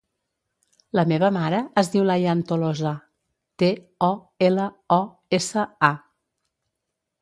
La meva mare es diu Layan Tolosa: te, o, ela, o, essa, a.